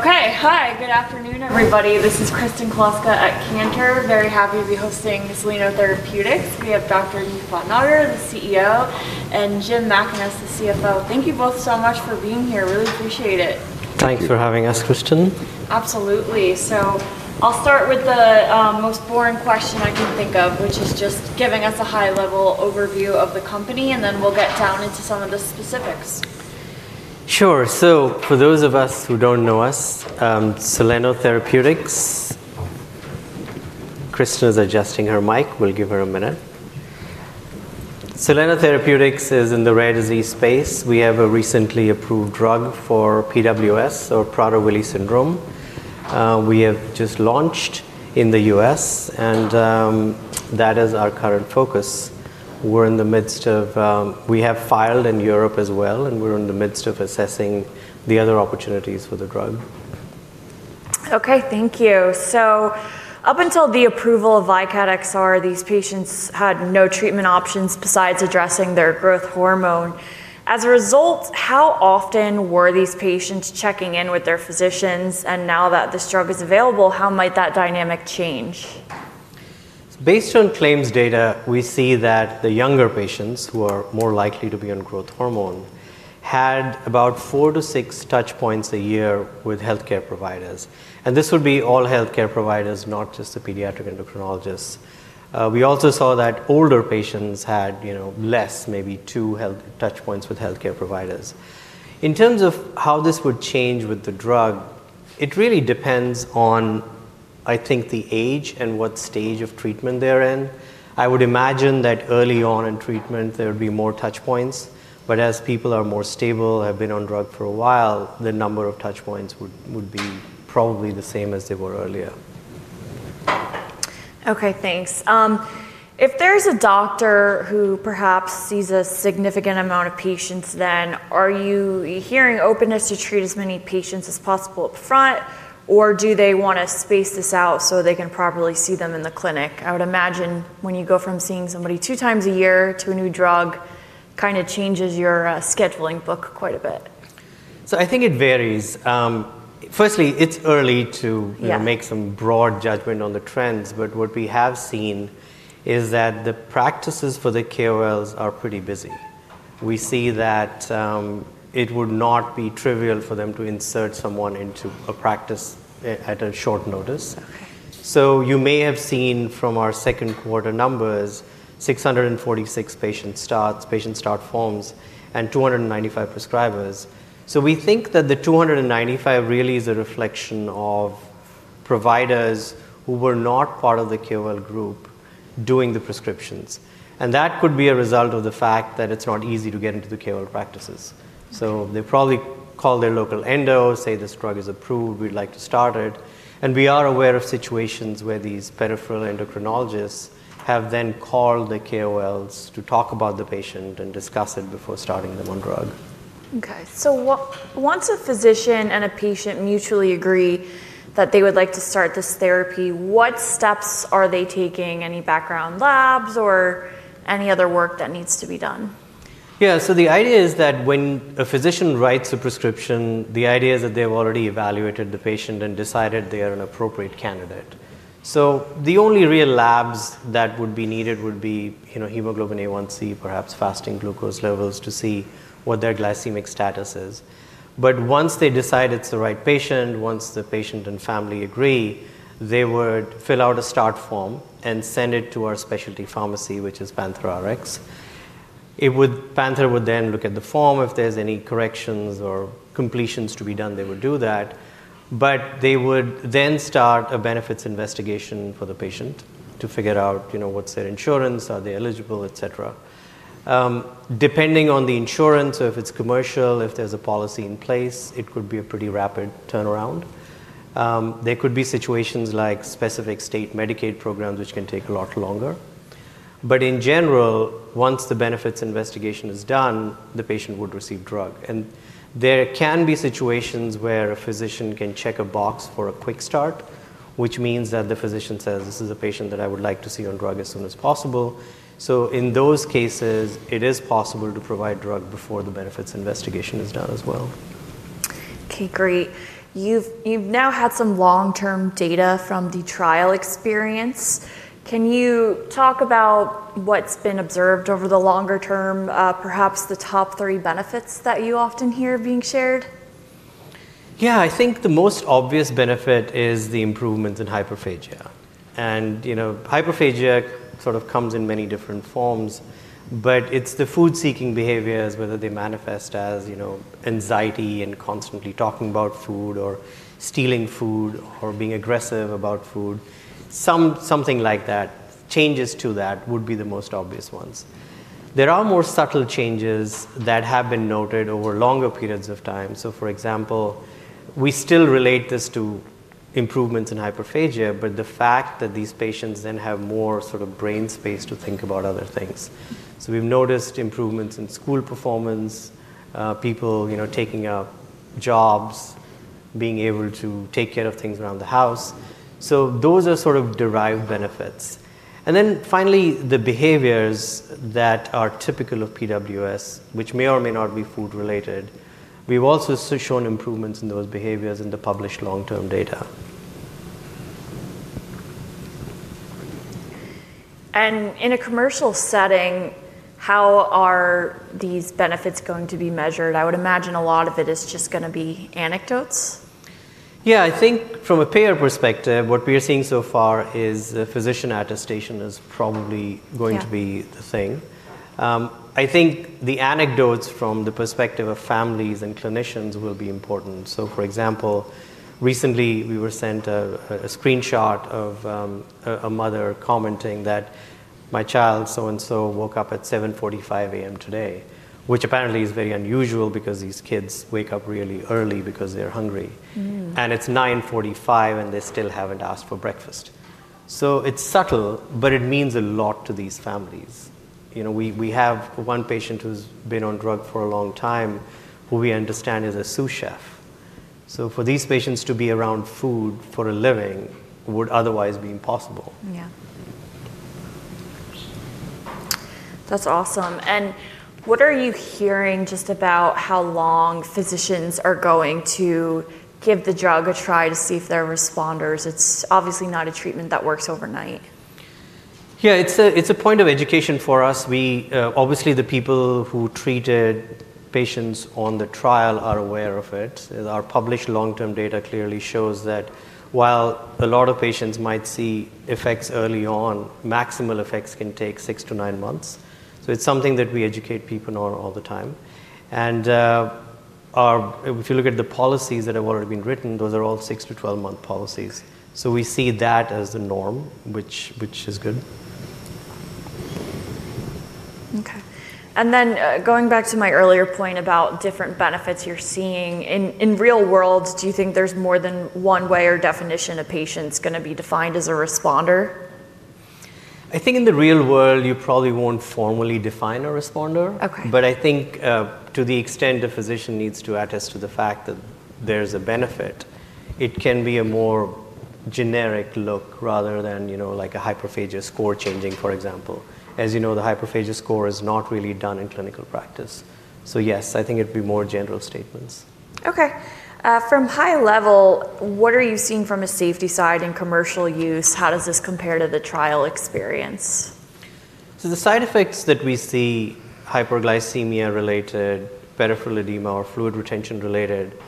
Okay, hi. Good afternoon, everybody. This is Kristen Kluska at Cantor. Very happy to be hosting the Soleno Therapeutics. We have Anish Bhatnagar, the CEO, and Jim MacKaness, the CFO. Thank you both so much for being here. Really appreciate it. Thanks for having us, Kristen. Absolutely. So I'll start with the most boring question I can think of, which is just giving us a high-level overview of the company, and then we'll get down into some of the specifics. Sure. So for those of us who don't know us, Soleno Therapeutics - Kristen is adjusting her mic. We'll give her a minute. Soleno Therapeutics is in the rare disease space. We have a recently approved drug for PWS, or Prader-Willi syndrome. We have just launched in the U.S., and that is our current focus. We're in the midst of - we have filed in Europe as well, and we're in the midst of assessing the other opportunities for the drug. Okay, thank you. So up until the approval of DCCR, these patients had no treatment options besides addressing their growth hormone. As a result, how often were these patients checking in with their physicians? And now that this drug is available, how might that dynamic change? Based on claims data, we see that the younger patients who are more likely to be on growth hormone had about four to six touch points a year with healthcare providers. And this would be all healthcare providers, not just the pediatric endocrinologists. We also saw that older patients had less, maybe two touch points with healthcare providers. In terms of how this would change with the drug, it really depends on, I think, the age and what stage of treatment they're in. I would imagine that early on in treatment, there would be more touch points. But as people are more stable, have been on drug for a while, the number of touch points would be probably the same as they were earlier. Okay, thanks. If there's a doctor who perhaps sees a significant amount of patients, then are you hearing openness to treat as many patients as possible upfront, or do they want to space this out so they can properly see them in the clinic? I would imagine when you go from seeing somebody two times a year to a new drug, it kind of changes your scheduling book quite a bit. So I think it varies. Firstly, it's early to make some broad judgment on the trends, but what we have seen is that the practices for the KOLs are pretty busy. We see that it would not be trivial for them to insert someone into a practice at short notice. So you may have seen from our second quarter numbers, 646 patient starts, patient start forms, and 295 prescribers. So we think that the 295 really is a reflection of providers who were not part of the KOL group doing the prescriptions. And that could be a result of the fact that it's not easy to get into the KOL practices. So they probably call their local endo, say, "This drug is approved. We'd like to start it," and we are aware of situations where these pediatric endocrinologists have then called the KOLs to talk about the patient and discuss it before starting them on drug. Okay. So once a physician and a patient mutually agree that they would like to start this therapy, what steps are they taking? Any background labs or any other work that needs to be done? Yeah, so the idea is that when a physician writes a prescription, the idea is that they've already evaluated the patient and decided they are an appropriate candidate. So the only real labs that would be needed would be hemoglobin A1c, perhaps fasting glucose levels to see what their glycemic status is. But once they decide it's the right patient, once the patient and family agree, they would fill out a start form and send it to our specialty pharmacy, which is PANTHERx. PANTHERx would then look at the form. If there's any corrections or completions to be done, they would do that. But they would then start a benefits investigation for the patient to figure out what's their insurance, are they eligible, etc. Depending on the insurance, or if it's commercial, if there's a policy in place, it could be a pretty rapid turnaround. There could be situations like specific state Medicaid programs, which can take a lot longer. But in general, once the benefits investigation is done, the patient would receive drug. And there can be situations where a physician can check a box for a quick start, which means that the physician says, "This is a patient that I would like to see on drug as soon as possible." So in those cases, it is possible to provide drug before the benefits investigation is done as well. Okay, great. You've now had some long-term data from the trial experience. Can you talk about what's been observed over the longer term, perhaps the top three benefits that you often hear being shared? Yeah, I think the most obvious benefit is the improvements in hyperphagia, and hyperphagia sort of comes in many different forms, but it's the food-seeking behaviors, whether they manifest as anxiety and constantly talking about food or stealing food or being aggressive about food. Something like that. Changes to that would be the most obvious ones. There are more subtle changes that have been noted over longer periods of time, so for example, we still relate this to improvements in hyperphagia, but the fact that these patients then have more sort of brain space to think about other things, so we've noticed improvements in school performance, people taking up jobs, being able to take care of things around the house, so those are sort of derived benefits. And then finally, the behaviors that are typical of PWS, which may or may not be food-related, we've also shown improvements in those behaviors in the published long-term data. In a commercial setting, how are these benefits going to be measured? I would imagine a lot of it is just going to be anecdotes. Yeah, I think from a payer perspective, what we are seeing so far is physician attestation is probably going to be the thing. I think the anecdotes from the perspective of families and clinicians will be important. So for example, recently we were sent a screenshot of a mother commenting that, "My child so-and-so woke up at 7:45 A.M. today," which apparently is very unusual because these kids wake up really early because they're hungry. And it's 9:45 A.M., and they still haven't asked for breakfast. So it's subtle, but it means a lot to these families. We have one patient who's been on drug for a long time, who we understand is a sous-chef. So for these patients to be around food for a living would otherwise be impossible. Yeah. That's awesome. And what are you hearing just about how long physicians are going to give the drug a try to see if they're responders? It's obviously not a treatment that works overnight. Yeah, it's a point of education for us. Obviously, the people who treated patients on the trial are aware of it. Our published long-term data clearly shows that while a lot of patients might see effects early on, maximal effects can take six to nine months. So it's something that we educate people on all the time. And if you look at the policies that have already been written, those are all six to twelve-month policies. So we see that as the norm, which is good. Okay. And then going back to my earlier point about different benefits you're seeing, in real world, do you think there's more than one way or definition a patient's going to be defined as a responder? I think in the real world, you probably won't formally define a responder. But I think to the extent a physician needs to attest to the fact that there's a benefit, it can be a more generic look rather than like a hyperphagia score changing, for example. As you know, the hyperphagia score is not really done in clinical practice. So yes, I think it'd be more general statements. Okay. From high level, what are you seeing from a safety side in commercial use? How does this compare to the trial experience? So the side effects that we see, hyperglycemia-related, peripheral edema, or fluid retention-related,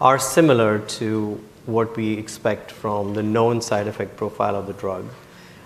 are similar to what we expect from the known side effect profile of the drug.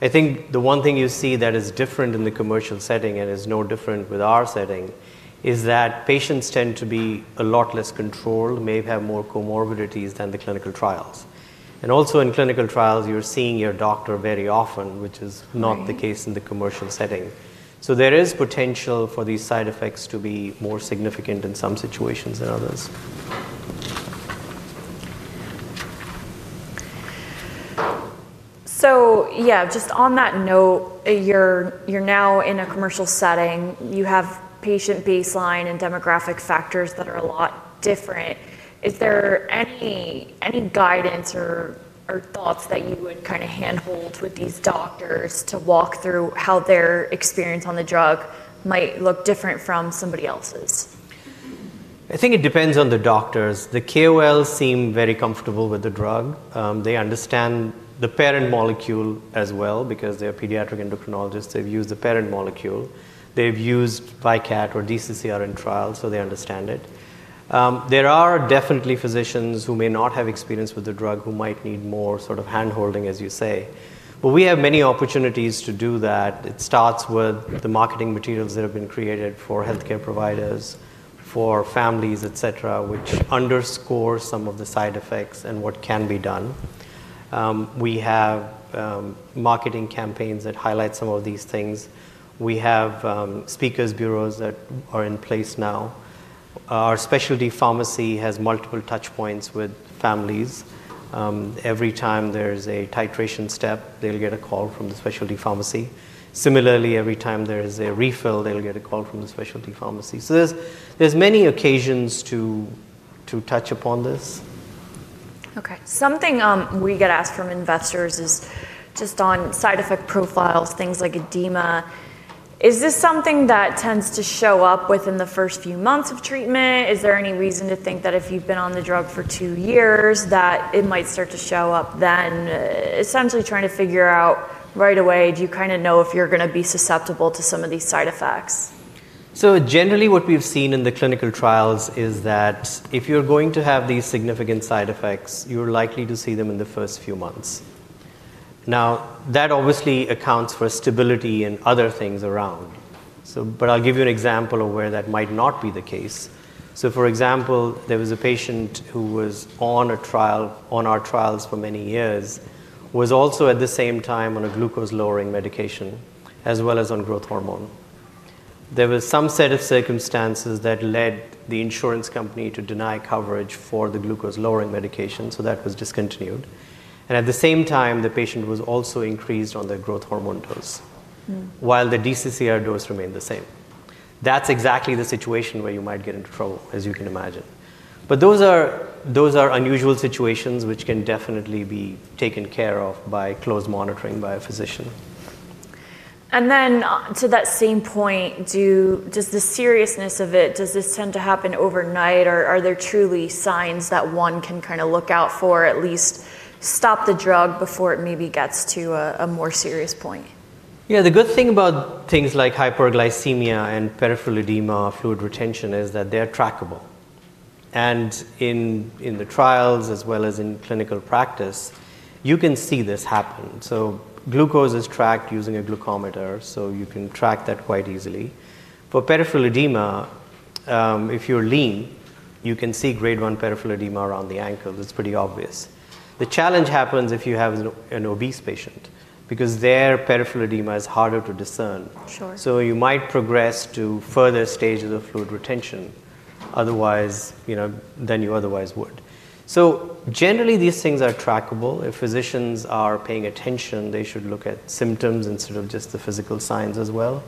I think the one thing you see that is different in the commercial setting, and is no different with our setting, is that patients tend to be a lot less controlled, may have more comorbidities than the clinical trials. And also in clinical trials, you're seeing your doctor very often, which is not the case in the commercial setting. So there is potential for these side effects to be more significant in some situations than others. So yeah, just on that note, you're now in a commercial setting. You have patient baseline and demographic factors that are a lot different. Is there any guidance or thoughts that you would kind of handhold with these doctors to walk through how their experience on the drug might look different from somebody else's? I think it depends on the doctors. The KOLs seem very comfortable with the drug. They understand the parent molecule as well because they're pediatric endocrinologists. They've used the parent molecule. They've used diazoxide or DCCR in trials, so they understand it. There are definitely physicians who may not have experience with the drug who might need more sort of handholding, as you say. But we have many opportunities to do that. It starts with the marketing materials that have been created for healthcare providers, for families, etc., which underscore some of the side effects and what can be done. We have marketing campaigns that highlight some of these things. We have speakers' bureaus that are in place now. Our specialty pharmacy has multiple touch points with families. Every time there's a titration step, they'll get a call from the specialty pharmacy. Similarly, every time there is a refill, they'll get a call from the specialty pharmacy. So there's many occasions to touch upon this. Okay. Something we get asked from investors is just on side effect profiles, things like edema. Is this something that tends to show up within the first few months of treatment? Is there any reason to think that if you've been on the drug for two years, that it might start to show up then? Essentially trying to figure out right away, do you kind of know if you're going to be susceptible to some of these side effects? So generally, what we've seen in the clinical trials is that if you're going to have these significant side effects, you're likely to see them in the first few months. Now, that obviously accounts for stability and other things around. But I'll give you an example of where that might not be the case. So for example, there was a patient who was on our trials for many years, was also at the same time on a glucose-lowering medication as well as on growth hormone. There was some set of circumstances that led the insurance company to deny coverage for the glucose-lowering medication, so that was discontinued. And at the same time, the patient was also increased on their growth hormone dose while the DCCR dose remained the same. That's exactly the situation where you might get into trouble, as you can imagine. But those are unusual situations which can definitely be taken care of by close monitoring by a physician. And then to that same point, does the seriousness of it, does this tend to happen overnight, or are there truly signs that one can kind of look out for, at least stop the drug before it maybe gets to a more serious point? Yeah, the good thing about things like hyperglycemia and peripheral edema or fluid retention is that they're trackable. And in the trials, as well as in clinical practice, you can see this happen. So glucose is tracked using a glucometer, so you can track that quite easily. For peripheral edema, if you're lean, you can see grade 1 peripheral edema around the ankles. It's pretty obvious. The challenge happens if you have an obese patient because their peripheral edema is harder to discern. So you might progress to further stages of fluid retention than you otherwise would. So generally, these things are trackable. If physicians are paying attention, they should look at symptoms instead of just the physical signs as well.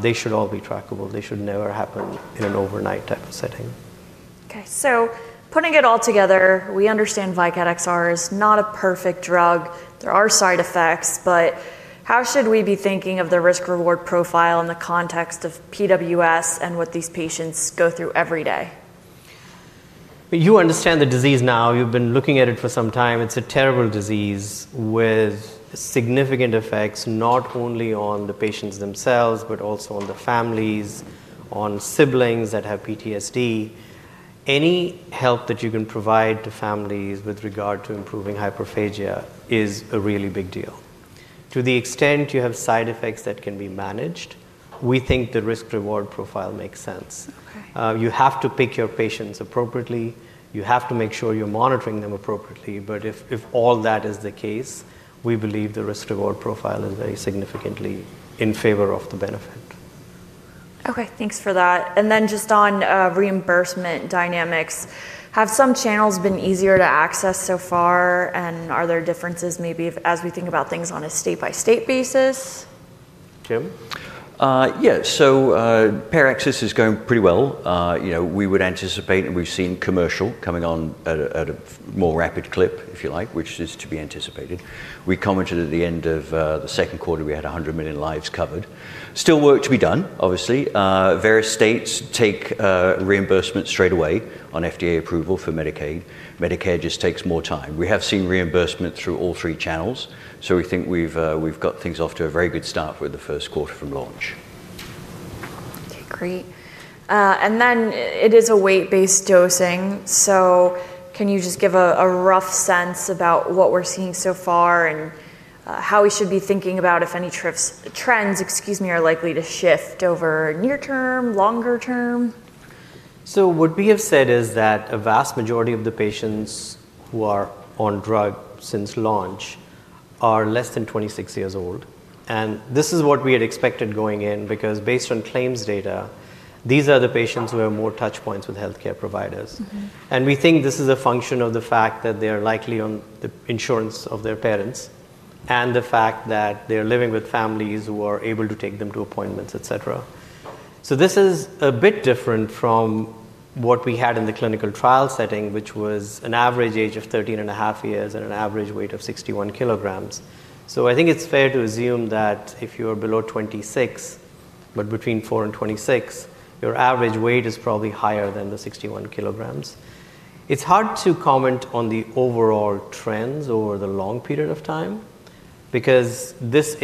They should all be trackable. They should never happen in an overnight type of setting. Okay, so putting it all together, we understand VYKAT XR is not a perfect drug. There are side effects, but how should we be thinking of the risk-reward profile in the context of PWS and what these patients go through every day? You understand the disease now. You've been looking at it for some time. It's a terrible disease with significant effects, not only on the patients themselves, but also on the families, on siblings that have PTSD. Any help that you can provide to families with regard to improving hyperphagia is a really big deal. To the extent you have side effects that can be managed, we think the risk-reward profile makes sense. You have to pick your patients appropriately. You have to make sure you're monitoring them appropriately. But if all that is the case, we believe the risk-reward profile is very significantly in favor of the benefit. Okay. Thanks for that. And then just on reimbursement dynamics, have some channels been easier to access so far, and are there differences maybe as we think about things on a state-by-state basis? Jim? Yeah, so PANTHERx is going pretty well. We would anticipate, and we've seen commercial coming on at a more rapid clip, if you like, which is to be anticipated. We commented at the end of the second quarter, we had 100 million lives covered. Still work to be done, obviously. Various states take reimbursement straight away on FDA approval for Medicaid. Medicare just takes more time. We have seen reimbursement through all three channels, so we think we've got things off to a very good start with the first quarter from launch. Okay, great. And then it is a weight-based dosing. So can you just give a rough sense about what we're seeing so far and how we should be thinking about if any trends, excuse me, are likely to shift over near term, longer term? So what we have said is that a vast majority of the patients who are on drug since launch are less than 26 years old. And this is what we had expected going in because based on claims data, these are the patients who have more touch points with healthcare providers. And we think this is a function of the fact that they are likely on the insurance of their parents and the fact that they're living with families who are able to take them to appointments, etc. So this is a bit different from what we had in the clinical trial setting, which was an average age of 13 and a half years and an average weight of 61 kilograms. So I think it's fair to assume that if you're below 26, but between 4 and 26, your average weight is probably higher than the 61 kilograms. It's hard to comment on the overall trends over the long period of time because this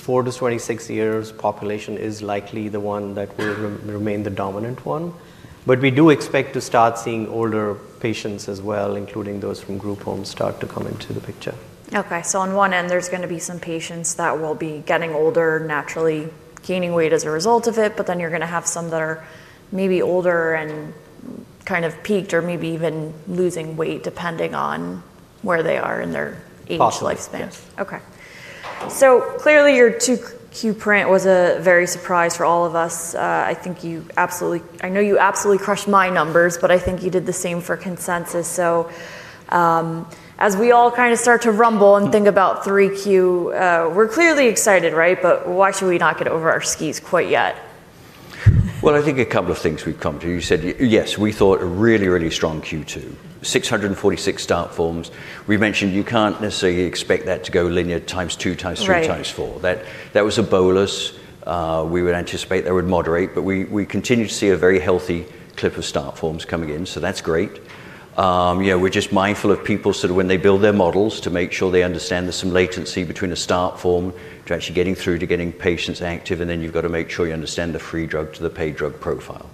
four to 26 years population is likely the one that will remain the dominant one. But we do expect to start seeing older patients as well, including those from group homes start to come into the picture. Okay. So on one end, there's going to be some patients that will be getting older, naturally gaining weight as a result of it, but then you're going to have some that are maybe older and kind of peaked or maybe even losing weight depending on where they are in their age lifespan. Possibly, yes. Okay. So clearly, your 2Q print was a very surprise for all of us. I think you absolutely - I know you absolutely crushed my numbers, but I think you did the same for consensus. So as we all kind of start to rumble and think about 3Q, we're clearly excited, right? But why should we not get over our skis quite yet? I think a couple of things we've come to. You said yes, we thought a really, really strong Q2, 646 start forms. We mentioned you can't necessarily expect that to go linear times two, times three, times four. That was a bolus. We would anticipate they would moderate, but we continue to see a very healthy clip of start forms coming in, so that's great. We're just mindful of people sort of when they build their models to make sure they understand there's some latency between a start form to actually getting through to getting patients active, and then you've got to make sure you understand the free drug to the paid drug profile.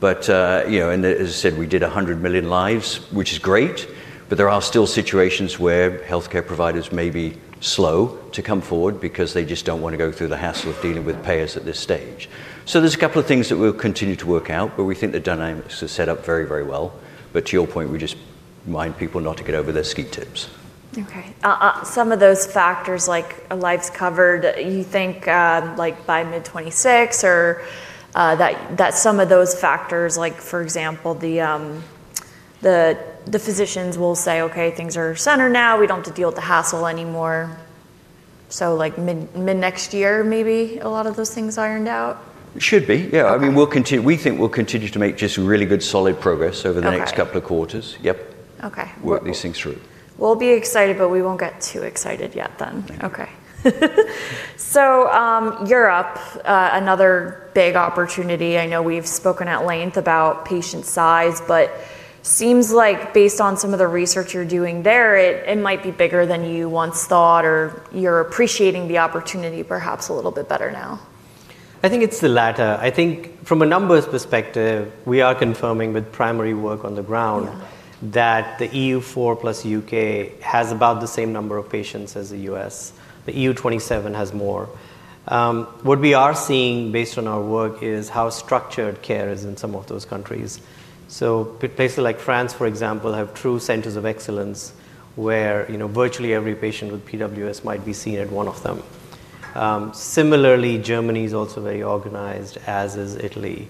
But as I said, we did 100 million lives, which is great, but there are still situations where healthcare providers may be slow to come forward because they just don't want to go through the hassle of dealing with payers at this stage. So there's a couple of things that we'll continue to work out, but we think the dynamics are set up very, very well. But to your point, we just remind people not to get ahead of their skis. Okay. Some of those factors like lives covered, you think by mid-2026, or that some of those factors, like for example, the physicians will say, "Okay, things are centered now. We don't have to deal with the hassle anymore." So mid-next year, maybe a lot of those things ironed out? Should be. Yeah. I mean, we think we'll continue to make just really good solid progress over the next couple of quarters. Yep. Work these things through. We'll be excited, but we won't get too excited yet then. Okay. So Europe, another big opportunity. I know we've spoken at length about patient size, but seems like based on some of the research you're doing there, it might be bigger than you once thought, or you're appreciating the opportunity perhaps a little bit better now. I think it's the latter. I think from a numbers perspective, we are confirming with primary work on the ground that the EU4 plus UK has about the same number of patients as the US. The EU27 has more. What we are seeing based on our work is how structured care is in some of those countries. So places like France, for example, have true centers of excellence where virtually every patient with PWS might be seen at one of them. Similarly, Germany is also very organized, as is Italy.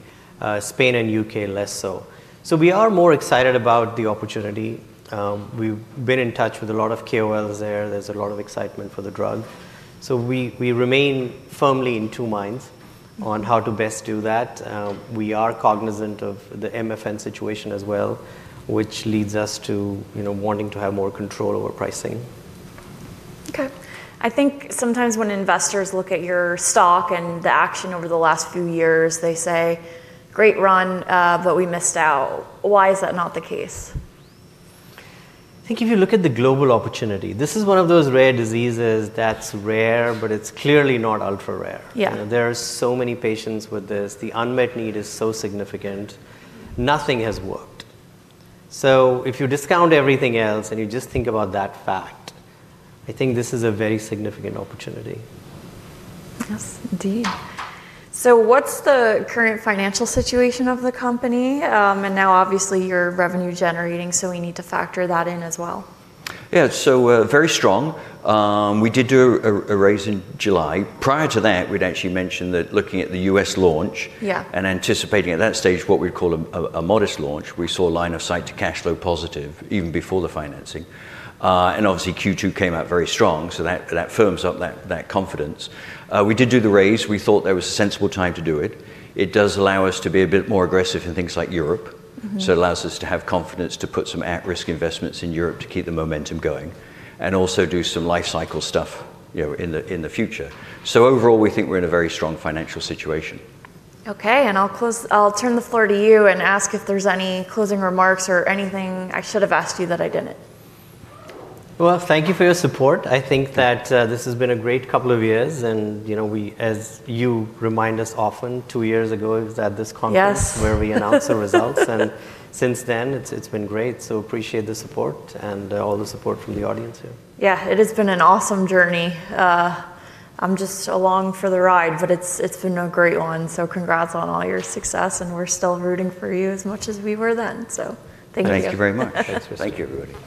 Spain and UK less so. So we are more excited about the opportunity. We've been in touch with a lot of KOLs there. There's a lot of excitement for the drug. So we remain firmly in two minds on how to best do that. We are cognizant of the MFN situation as well, which leads us to wanting to have more control over pricing. Okay. I think sometimes when investors look at your stock and the action over the last few years, they say, "Great run, but we missed out." Why is that not the case? I think if you look at the global opportunity, this is one of those rare diseases that's rare, but it's clearly not ultra rare. There are so many patients with this. The unmet need is so significant. Nothing has worked. So if you discount everything else and you just think about that fact, I think this is a very significant opportunity. Yes, indeed. So what's the current financial situation of the company? And now obviously you're revenue-generating, so we need to factor that in as well. Yeah, so very strong. We did do a raise in July. Prior to that, we'd actually mentioned that looking at the U.S. launch and anticipating at that stage what we'd call a modest launch, we saw a line of sight to cash flow positive even before the financing. And obviously, Q2 came out very strong, so that firms up that confidence. We did do the raise. We thought there was a sensible time to do it. It does allow us to be a bit more aggressive in things like Europe. So it allows us to have confidence to put some at-risk investments in Europe to keep the momentum going and also do some life cycle stuff in the future. So overall, we think we're in a very strong financial situation. Okay. And I'll turn the floor to you and ask if there's any closing remarks or anything I should have asked you that I didn't. Thank you for your support. I think that this has been a great couple of years. As you remind us often, two years ago is at this conference where we announce the results. Since then, it's been great. Appreciate the support and all the support from the audience here. Yeah, it has been an awesome journey. I'm just along for the ride, but it's been a great one. So congrats on all your success, and we're still rooting for you as much as we were then. So thank you. Thank you very much. Thanks for sitting. Thank you, everybody.